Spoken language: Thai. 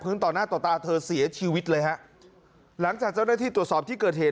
ต่อหน้าต่อตาเธอเสียชีวิตเลยฮะหลังจากเจ้าหน้าที่ตรวจสอบที่เกิดเหตุ